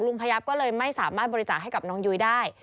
พยับก็เลยไม่สามารถบริจาคให้กับน้องยุ้ยได้